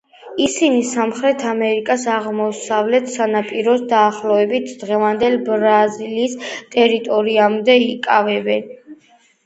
ისინი სამხრეთი ამერიკის აღმოსავლეთ სანაპიროს დაახლოებით დღევანდელი ბრაზილიის ტერიტორიამდე იკავებდნენ.